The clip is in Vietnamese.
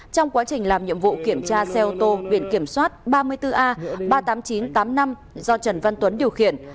trong quá trình làm nhiệm vụ kiểm tra xe ô tô biển kiểm soát ba mươi bốn a ba mươi tám nghìn chín trăm tám mươi năm do trần văn tuấn điều khiển